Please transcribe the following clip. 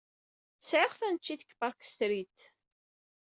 Sɛiɣ taneččit deg Park Street.